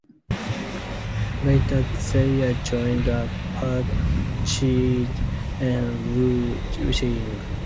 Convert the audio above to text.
Later they are joined by Pa Chieh and Wu Ching.